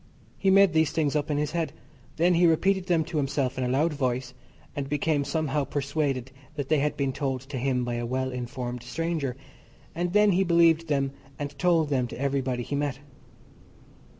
He made these things up in his head. Then he repeated them to himself in a loud voice, and became somehow persuaded that they had been told to him by a well informed stranger, and then he believed them and told them to everybody he met.